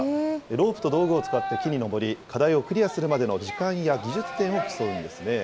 ロープと道具を使って木に登り、課題をクリアするまでの時間や技術点を競うんですね。